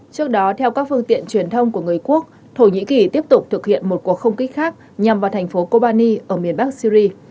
trước đó theo các phương tiện truyền thông của người quốc thổ nhĩ kỳ tiếp tục thực hiện một cuộc không kích khác nhằm vào thành phố kobani ở miền bắc syri